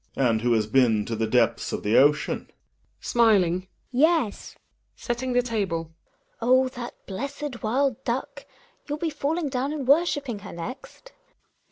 And who has been to the depths of the ocean ? Hedvig (smiling). Yes. GiNA {setting the table). Oh ! that blessed wild duck I Youll be fa lling down and worshipping he r next.